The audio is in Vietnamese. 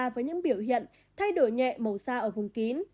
với những biểu hiện thay đổi nhẹ màu xa ở vùng kín